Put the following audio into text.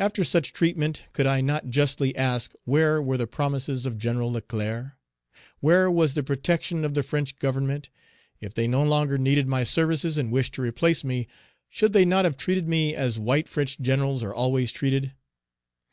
After such treatment, could I not justly ask where were the promises of Gen. Leclerc? where was the protection of the French Government? If they no longer needed my services and wished to replace me, should they not have treated me as white French generals are always treated?